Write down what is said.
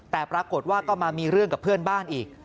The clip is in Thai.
แต่ปรากฏว่าก็มามีเรื่องกับเพื่อนบ้านอีก